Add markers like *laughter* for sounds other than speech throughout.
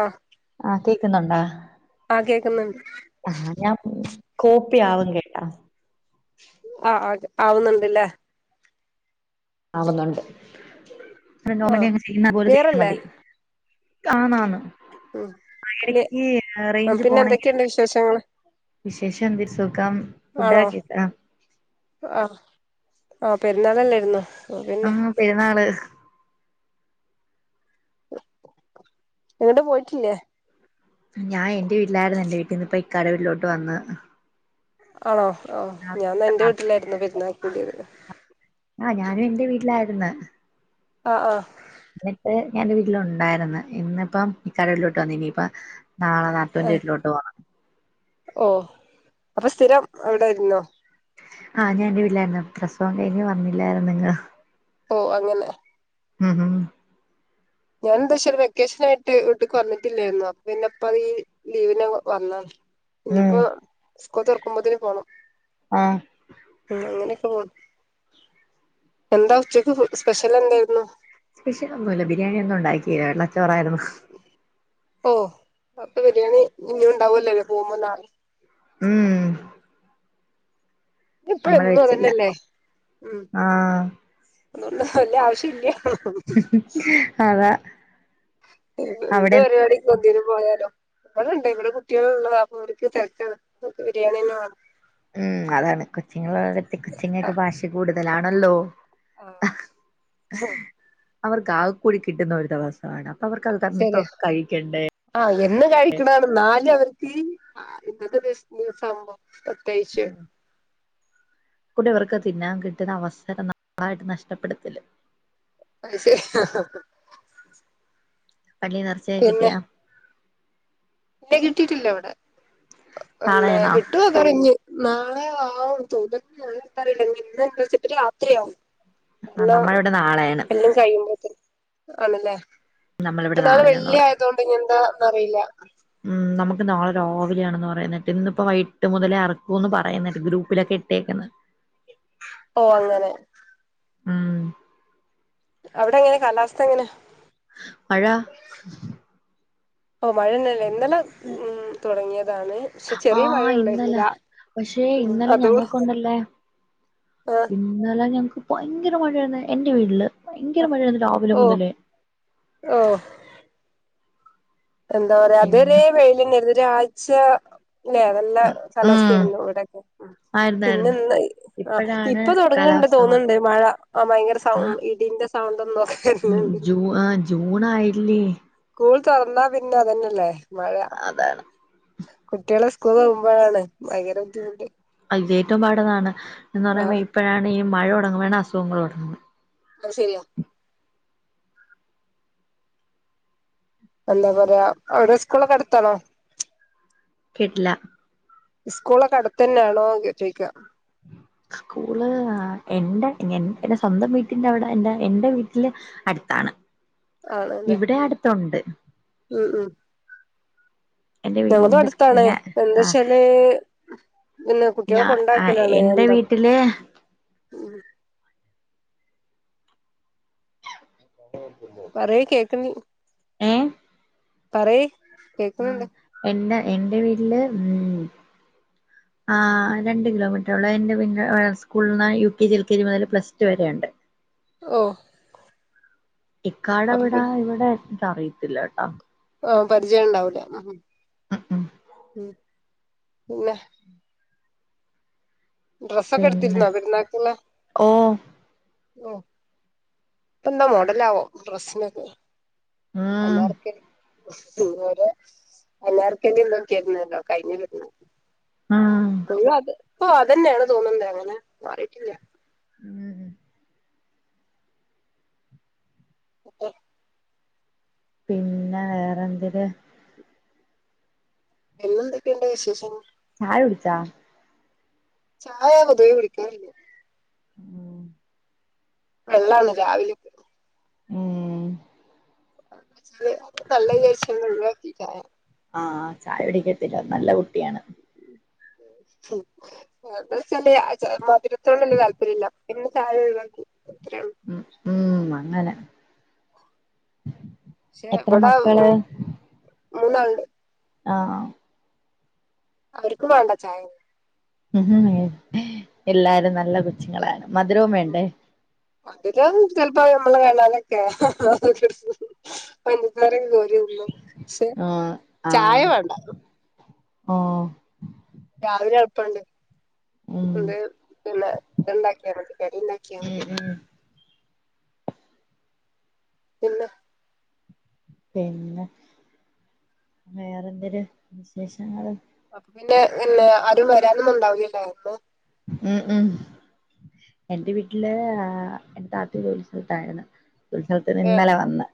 ആഹ് ആഹ് കേക്കുന്നുണ്ടാ കേക്കുന്നുണ്ട് ആഹ് ഞാൻ കോപ്പിയ ആവുന്നില്ല ആഹ് ആഹ് ആവുന്നുണ്ട്ല്ലേ ആവുന്നുണ്ട് ആ *unintelligible* ചെയ്യുന്ന പോലെ ചെയ്താ ക്ലിയറല്ലേ മതി ആന്നാന്ന് ഉം ആഹ് ക്ലി ഇടക്ക് റേഞ്ച് പിന്നെ പോണെങ്കില് എന്തൊക്കെയുണ്ട് വിശേഷങ്ങള് വിശേഷം എന്തിരി സുഖം ആണോ കഴിച്ചോ? ആഹ് ആഹ് പെരുന്നാളല്ലായിരുന്നോ ആ പിന്നെ ആഹ് പെരുന്നാള് എങ്ങട്ടും പോയിട്ടില്ലേ ഞാൻ എന്റെ വീട്ടിലായിരുന്നു എന്റെ വീട്ടിൽ നിന്ന് ഇപ്പ ഇക്കാടെ വീട്ടിലോട്ട് വന്ന് ആണോ ആഹ് ആ ഞാൻ എന്റെ വീട്ടിലായിരുന്നു പെരുന്നാക്ക് കൂടിയത് ആഹ് ഞാനും എൻ്റെ വീട്ടിലായിരുന്ന് ആഹ് ആഹ് എന്നിട്ട് ഞാന്റെ വീട്ടില് ഉണ്ടായിരുന്നു ഇന്നിപ്പം ഇക്കാടെ വീട്ടിലോട്ട് വന്ന് ഇനിയിപ്പം നാളെ നാത്തൂന്റെ വീട്ടിലോട്ട് പോകണം ഓഹ് അപ്പൊ സ്ഥിരം അവിടെ ആയിരുന്നോ ആഹ് ഞാന്റെ വീട്ടില്ലായിരുന്നു പ്രസവം കഴിഞ്ഞ് വന്നില്ലായിരുന്നു ഓഹ് അങ്ങനെ *unintelligible* ഞാൻ എന്താ വച്ചാല് വെക്കേഷൻ ആയിട്ട് വീട്ട്ക്ക് വന്നിട്ടില്ലായിരുന്നു അപ്പ പിന്നെപ്പ അത് ഈ ലീവിനെ വ വന്ന ഇനിയിപ്പോ ഉം സ്കൂൾ തൊർക്കുമ്പോത്തിന് പോണം ആഹ് ഉം അങ്ങനെയൊക്കെ പോണ് എന്താ ഉച്ചക്ക് സ്പെഷ്യൽ എന്തായിരുന്നു സ്പെഷ്യ ഒന്നുല്ല ബിരിയാണിയ ഒന്നും ഉണ്ടാക്കില്ല വെള്ളച്ചോറായിരുന്നു ഓഹ് അപ്പൊ ബിരിയാണി ഇന്ന ഉണ്ടാവല്ലോ അല്ലേ പോകുമ്പോ നാള ഉം ഇപ്പ നമ്മള് എന്നും അതു വെച്ചില്ല തന്നെയല്ലേ ഉം ആഹ് അതുകൊണ്ട് വലിയ ആവശ്യം ഇല്ലാ അതാ എന്ത് അവിടെ പരിപാടിക്ക് എന്തിനു പോയാലും ഇവിടെണ്ട് ഇവിടെ കുട്ടികള ഉള്ള അപ്പ അവർക്ക് തിരക്കാണ് ഒര്ക്ക് ബിരിയാണി തന്നെ വേണം ഉം അതാണ് കൊച്ചിങ്ങ വളത്തി കൊച്ചിങ്ങ ഒക്കെ ഭാഷ കൂടുതലാണല്ലോ ആഹ് അവർക്ക് ആകക്കൂടി കിട്ടുന്ന ഒരു ദിവസമാണ് അവർക്കത് തരന്നത്തൊക്കെ കഴിക്കണ്ടേ ആഹ് എന്നും കഴിക്ക്ണതാണ് എന്നാലും അവർക്ക് ഇന്നത്തെ ദിവസാവുമ്പോ പ്രത്യേകിച്ചും ഫുഡ് ഇവർക്ക് തിന്നാൻ കിട്ടുന്ന അവസരം നന്നായിട്ട് നഷ്ടപ്പെടുത്തല്ലേ *unintelligible* പള്ളിന്ന് എറച്ചി ഒക്കെ കിട്ടിയാ പിന്നെ കിട്ടിട്ടില്ല ഇവടെ പിന്നെ നാളെയാണോ കിട്ടും പറഞ്ഞു നാളെ ആവും തോതക്കെ ക്കറിയില്ല ഇന്ന്ന വെച്ചിട്ട് രാത്രിയാവും. ആഹ് എല്ലാം നമ്മളിവിടെ നാളെയാണ് എല്ലാം കഴിയുമ്പോത്ത് ആണല്ലേ നമ്മളിവിടെ അപ്പൊ നാളെ നാളെയാന്ന് പറയും വെള്ളിയായതുകൊണ്ട് ഇനി എന്താന്ന് അറിയില്ല ഉം നമുക്ക് നാളെ രാവിലെയാണെന്ന് പറയുന്ന കേട്ടു ഇന്നിപ്പോ വൈകീട്ട് മുതലേ അറക്കൂന്ന് പറയുന്നേട്ട്. ഗ്രൂപ്പിലൊക്കെ ഇട്ടേക്കുന്നത് ഓഹ് അങ്ങനെ ഉം അവിടെങ്ങനെ കാലാവസ്ഥങ്ങനെ മഴ ഓഹ് മഴന്നലേ, ഇന്നലെ തുടങ്ങിയതാണ് ശരി ആഹ് ഇന്നല പക്ഷേ ഉം ഇന്നലെ അതോ ഞങ്ങൾക്കൊണ്ടല്ലേ ആ ഇന്നലെ ഞങ്ങക്ക്‌ ഭയങ്കര മഴയാന്ന് എന്റെ വീട്ടില് ഭയങ്കര മഴയാണ് രാവിലെ മുതലേ ഓഹ് എന്താ പറയാ അതുവരെ ഇന്ന് വെയിലന്നേര്ന്നു. ഒരാഴ്ച്ച ല്ലേ നല്ല ഉം കാലാവസ്ഥായിരുന്നു വിടൊക്കെ ഉം ആയിരുന്നായിരുന്നു പിന്നെന്ന് ആ ഇപ്പോഴാണ് ഇപ്പൊ തൊടങ്ങ്ണ്ട് കാലാവസ്ഥ തോന്ന്ണ് മാ ണ്ട് മഴ, ആ ഭയങ്കര സൗ ഇടിന്റെ സൗണ്ടും തൊക്കെ കേ ഉം ജൂ ആ ജൂണായില്ലേ സ്കൂൾ തൊറന്നാ പിന്നെ അതന്നല്ലേ മഴ അതാണ് കുട്ട്യാള് സ്കൂൾ പോകുമ്പോഴാണ് ഭയങ്കര ബുദ്ധിമുട്ട് അത് ഏറ്റവും പാടതാണ് എന്ന് പറയുമ്പോൾ ആഹ് ഇപ്പഴാണ് ഈ മഴ തൊടങ്ങ്മ്പഴാണ് അസുഖങ്ങൾ തൊടങ്ങുന്നത് അത് ശരിയാ എന്താ പറയാ അവരെ സ്കൂളൊക്കെ അടുത്താണോ കേട്ടില്ല സ്കൂളൊക്കെ അടുത്തന്നേണോന്ന് ചോയ്ക്ക സ്കൂള് എന്റ് എൻ സ്വന്തം വീട്ടിന്റെ അവിടെ എന്റെ വീട്ടില് അടുത്താണ്. ആണല്ലേ ഇവിടെ അടുത്തുണ്ട് ഉം ഉം എന്റെ ഞങ്ങൾതും വീട്ടിന്റെ അടുത്താണ് ഞാൻ ആ എന്താച്ചാല് പിന്നെ കുട്യാളെ ഞാ ആഹ് കൊണ്ടാക്കലാണ് എന്റെ എന്താ വീട്ടില് *inaudible* പറയ്‌ കേക്ക്ന്നി ഏഹ് പറയ് കേക്ക്ണ് ഉം ണ്ട് എന്റ എന്റെ വീട്ടില് ഉം ആഹ് രണ്ട് കിലോമീറ്ററെ ഉള്ളൂ എന്റെവീട്ടീന്ന് സ്കൂൾ ന്ന് U K G L K G മുതൽ പ്ലസ് ടു വരെയുണ്ട് ഓഹ് ഇക്കാടെ വീട് പി ഇവിടെ അടുത്ത അറിയത്തില്ല കേട്ടോ ആ പരിചയം ഉണ്ടാവൂലെ ഉം പിന്നെ പിന്നെ ഡ്രസ്സൊക്കെട്ത്തിരുന്നോ പെരുന്നാക്ക്‌ള്ള ഓ ഓ പ്പന്താ മോഡലാവോ ഡ്രസ്സിനൊക്കെ ഉം അനാർക്കലി ഓരോ അനാർക്കലി ഇതൊക്കെ ആയിരുന്നല്ലോ കഴിഞ്ഞ പെരുന്നാക്ക്‌ ആഹ് ഫുള്ളാത് ഓഹ് അതന്നേണ് തോന്നുണ്ട്. അങ്ങനെ മാറിട്ടില്ല ഉം ഉം എന്നിട്ട് പിന്നെ വേറെന്തര് എന്നെന്തൊക്കെയുണ്ട് വിശേഷം ചായുടിച്ചാ ചായ പൊതുവേ കുടിക്കാറില്ലാ ഉം *unintelligible* ഉം എന്താച്ചാല് തള്ളേവിചാരിചുങ്ങൊഴു കളയാംമുഴക്കിട്ട ആഹ് ചായ കുടിക്കത്തില്ല നല്ല കുട്ടിയാണ് ഉം അത്ച്ചാല് ആഹ് മധുരത്തോട് വല്ല്യാ താല്പരില്ലാ പിന്നെ ചായ ഒഴിവാക്കി അത്രേ- ഉ ഉം അങ്ങനെ എത്ര മക്കള് മൂന്നാള്ണ്ട് ആഹ് അവർക്കു വേണ്ട ചായ ഉം എല്ലാരും നല്ല കൊച്ചുങ്ങളാണ് മധുരോം വേണ്ടേ മധുരം ചെലപ്പോ യമ്മള് വേണ്ടാലൊക്കെയാ പഞ്ചസാര കേറിയൊള്ളോ പക്ഷെ ആഹ് ചായ ആഹ് വേണ്ട ഓഹ് രാവിലെ എളുപ്പോണ്ട് ഉം ദേ പിന്നെ ഇണ്ടാക്കിയാൽ കറി ഇണ്ടാക്കിയാ ഉം മതി ഇനി ഉം പിന്നെ പിന്നെ വേറെ എന്തര് വിശേഷങ്ങ അപ്പൊ പിന്നെ പിന്നെ ആരും വരാനൊന്നും ഇണ്ടാവൂല്ലല്ലോ ഉം ഉം എന്റെ വീട്ടില് ആഹ് എന്റെ താത്തി ജോലി സ്ഥലത്താരുന്ന് ഏഹ് ഉത്സവത്തിനിന്നലെ വന്ന്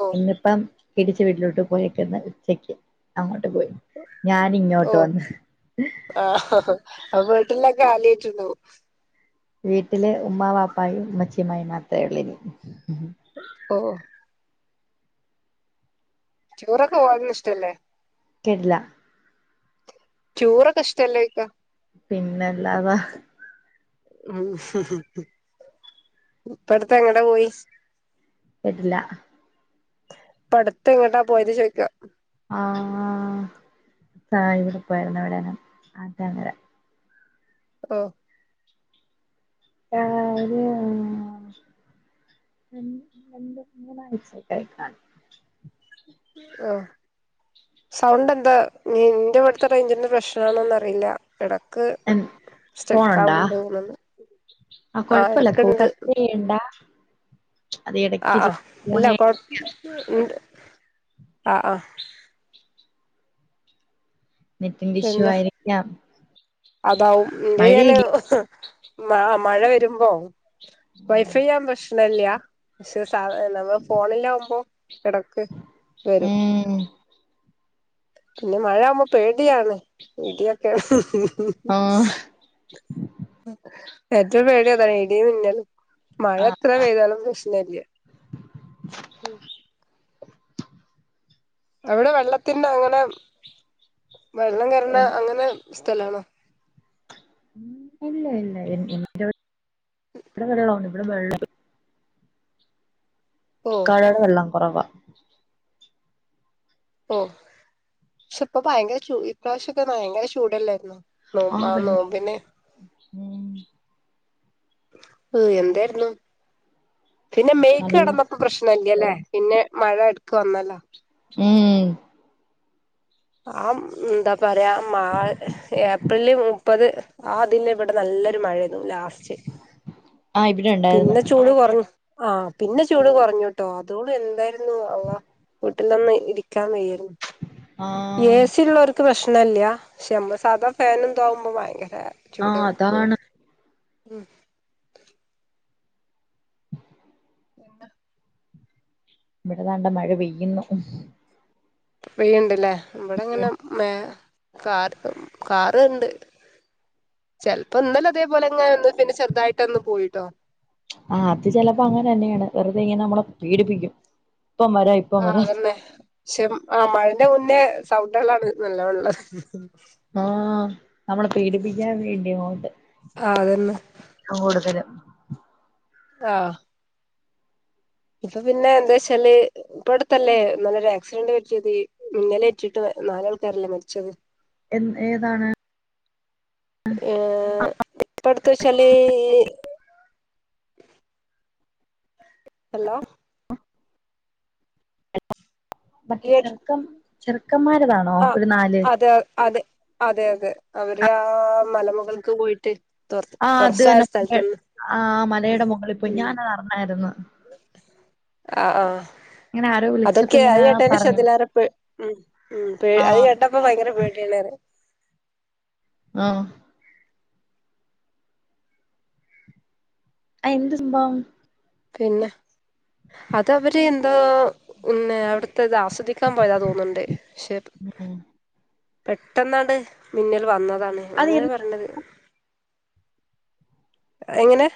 ഓ ഇന്നിപ്പം തിരിച്ച് വീട്ടിലോട്ട് പോയേക്കുന്ന് ഉച്ചക്ക് അങ്ങോട്ട് പോയ് ഓ ഞാനിങ്ങോട്ട് വന്ന് ആഹ് അപ്പൊ വീട്ടുള്ള ആലോച്ചുന്നു വീട്ടില് ഉമ്മാവാപ്പായും ഉമ്മച്ചിയും മൈനാത്തയുഒള്ളിനി ഓഹ് റ്റുറൊക്കെ വാരുനിഷ്ടല്ലേ കേട്ടില്ലാ റ്റുറൊക്കെ ഇഷ്ട്ടല്ലെ ഓയ്‌ക്ക പിന്നല്ലാതെ *unintelligible* ഇപ്പടുത്തെങ്ങടെ പോയ് കേട്ടില്ലാ ഇപ്പടുത്ത് എങ്ങ്ട്ടാ പോയത് ചോയ്ക്കാ ആ സാ ഇവടെപോയാരുന്നു എവിടെങ്ങെ ആറ്റങ്ങര ഓഹ് *unintelligible* ഒര് ഒന്ന് രണ്ട് മൂന്നാഴ്ചയൊക്കെ കാണും ഓഹ് സൗണ്ട് എന്താ നിന്റവിടുത്തെ റേഞ്ചിൻ്റെ പ്രശ്നണോന്നറിയില്ല എടക്ക് ഫോണുണ്ടാ സ്റ്റ്ക്കാവന്ന് തോന്നന്ന് ആ ആഹ് കൊഴപ്പല്ല കോൾ എടക്കിണ്ട് കട്ട് ചെയ്യണ്ട അത് ആഹ ഇടക്ക് ആഹ അല്ലാ ഫോണ് *unintelligible* ആഹ ആഹ നെറ്റിന്റെ ഇഷ്യൂ പിന്നെ ആയിരിക്കാം അതാവും ൻ്റെ ഞാന് മഴയില്ലേ മാ മഴ വെരുമ്പോ ഉം വൈഫൈ ചെയ്യൻ പ്രശ്നല്ല പക്ഷെ സ നമ്മ ഫോണിലാകുമ്പോ കിടക്ക് വരും പിന്നെ മഴ ആവുമ്പോ പേടിയാണ് ഇടിയൊക്കെ അഹ് ഏറ്റവും പേടിയ അതാണ് എടിയ നിന്നാലും മഴ ആഹ് എത്ര പെയ്താലും പ്രശ്നല്ല അവിടെ വെള്ളത്തിന് അങ്ങനെ വെള്ളംേ കറണ അങ്ങനെ സ്ഥലണോ ഉ ഇല്ല ഇല്ല എനിവി *unintelligible* ഇവിടെ വെള്ള ഓ കനെടെ വെള്ളം കുറവാ ഓ പക്ഷെ ഇപ്പൊ ഭയങ്കര ചു ഇപ്രാവശ്യൊക്കെ ഭയങ്കര ചൂടല്ലായിരുന്നൊ നോമ്പ ആഹ് ആ ഭയങ്കര നോമ്പിന് ഉം ഓഹ് എന്തായിരുന്നു പിന്നെ മേയ്ക്ക് നല്ല കിടന്നപ്പോ പ്രശ്നല്ലലെ പിന്നെ മഴ എടുക്ക വന്നല്ലോ ഉം ആ എന്താ പറയാ മാ ഏപ്രില് മുപ്പത് ആ ദിൽഇവിടെ നല്ലൊരു മഴന്നുലാസ്റ്റ് റ്റ് ആഹ് ഇവിടെ ഉണ്ടായിരുന്നു പിന്നെ ചൂട് കുറഞ്ഞു ആ പിന്നെ ചൂട് കുറഞ്ഞുട്ടോ അതു വോളം എന്തായിരുന്നു അള്ള വീട്ടിലൊന്ന് ഇരിക്കാൻ വയ്യായിരുന്നു എ ആഹ് സി ഉള്ളവർക്ക് പ്രശ്നല്ല പക്ഷ നമ്മൾസാധാ ഫാനും താകുമ്പോ ഭയങ്കര ചൂട ആഹ് പോ അതാണ് ഉ എന്താ ഇവിടെതാണ്ട മഴ പെയ്യുന്നു പെയ്യൻണ്ടല്ലേ ഇവിടെ ഇങ്ങനെ മ കാർ കാറുണ്ട് ചിലപ്പോ ഇന്നെന്നതേപോലെ ഇങ്ങനെ ഒന്ന് പിന്നെ ചെറുതായിട്ട് ഒന്ന് പോയിട്ടോ ആ അത് ചിലപ്പോ അങ്ങനെ തന്നെയാണ് വെറുതെ ഇങ്ങനെ നമ്മളെ പീഡപ്പിക്കും ഇപ്പം വരാ ആ അതന്നെ പക്ഷെ ആ മഴന്റെ മുന്നേ സൗണ്ടകുകളാണ് നല്ലോ ഉള്ളത് ആ നമ്മളെ പീഡിപ്പിക്കാൻ വേണ്ടിയ അങ്ങോട്ട് ആതന്നെ അ കൂടുതല ആഹ് ഇപ്പൊ പിന്നെ എന്താ വച്ചാല് ഇപ്പ അടത്തല്ലേ ഇന്നലരു ആക്സിഡന്റ് പറ്റിയത് മിന്നലെ റ്റിട്ട് നാലൾക്കാരല്ലേ മരിച്ചത് എൻ ഏതാണ് ഏ പടുത്തവചാൽ ഹലോ മറ്റേ ഈ ചെറുക്കം ചെറുക്കന്മാർതാണോ ഒരു നാല് അത് അതെ അതെ അതെ അവര് ആ മലമുകൾക്ക് പോയിട്ട് തുറ ആ അത് തുറസായ സ്ഥലത്ത്ന്ന് ന്നെആ മലയുടെ മുകളിൽപ്പോയി ഉം ഞാനതാറി ഞ്ഞായിരുന്നു ആ ആഹ ഇങ്ങനെ ആരോ വിളിച്ചപ്പോ അതൊക്കെ ഇങ്ങനെ അത് കേട്ടെ പറഞ്ഞു ശതിലറെ പേ ഉ ഉ അത് ആഹ് കേട്ട പ്പൊ ഭയങ്കര പേട്യണ് റിം ആഹ് ആ എന്ത്‌ സമ്പം പിന്നെ അതവര് എന്തോ പിന്നെ അവ്ട്ത്തത് ആസ് ശ്രദ്ധിക്കാൻ പോയതാ തോന്ന്ണ്ട് പക്ഷേ പെട്ടെന്നാണ്ട് മിന്നൽ വന്നതാണ് അത് അങ്ങനെയാ പർഞ്ഞത് എങ്ങനെ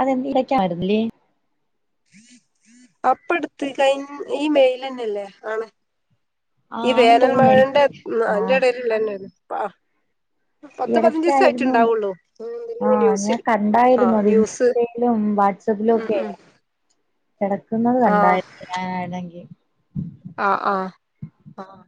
അതെന്ത് ഇടയ്ക്കാൻമായിരുന്നില്ലേ ആ പ്പട്ത്ത് കയ് ഈ മെയ്ലെന്നെല്ലേ ആണ് ആ ഈ ആണെന്ന് വേനൽ തോന്നുന്നു മഴന്റെ എനിക്ക് ഉം ആ അയ്ന്റെടയ്ൽ ഇള്ളെന്നെര്ന്നു വ ആ പത്ത് പതിനഞ്ജീസായ്റ്റ് ണ്ടാവുള്ളൂ ആ ഞാൻ കണ്ടായിരുന്നു അത് ഇൻസ്റ്റയിലും വാട്സാപ്പിലും ഉം ഒക്കെ ഉം കെടക്കുന്നത് ആ കണ്ടായിനായിണെങ്കി ആഹ് ആഹ് ആഹ്